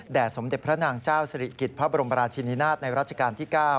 สมเด็จพระนางเจ้าสิริกิจพระบรมราชินินาศในราชการที่๙